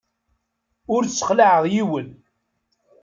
Ur ssexlaɛeɣ yiwen.